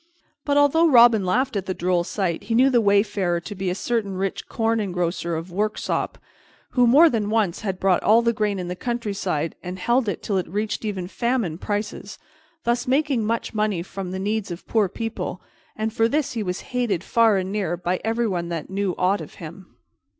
But although Robin laughed at the droll sight, he knew the wayfarer to be a certain rich corn engrosser of Worksop, who more than once had bought all the grain in the countryside and held it till it reached even famine prices, thus making much money from the needs of poor people, and for this he was hated far and near by everyone that knew aught of him.